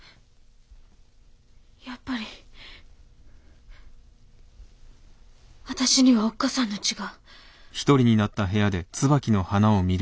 やっぱり私にはおっ母さんの血が！